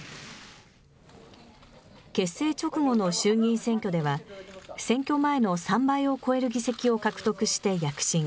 結成直後の衆議院選挙では、選挙前の３倍を超える議席を獲得して躍進。